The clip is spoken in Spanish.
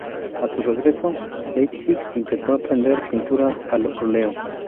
A su regreso a Leipzig, intentó aprender pintura al óleo.